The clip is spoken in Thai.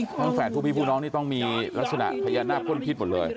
แฟนผู้พี่ผู้น้องนี่ต้องมีลักษณะพญานาคพ่นพิษหมดเลย